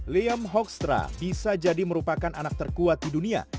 liam hoekstra bisa jadi merupakan anak terkuat di dunia